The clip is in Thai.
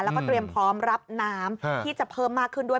แล้วก็เตรียมพร้อมรับน้ำที่จะเพิ่มมากขึ้นด้วย